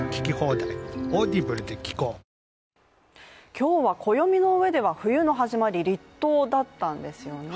今日は暦の上では冬の始まり立冬だったんですよね。